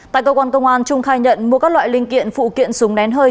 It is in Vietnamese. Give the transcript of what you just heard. tại cơ quan công an trung khai nhận mua các loại linh kiện phụ kiện súng nén hơi